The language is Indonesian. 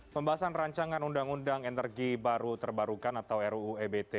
pembahasan rancangan undang undang energi baru terbarukan atau ruu ebt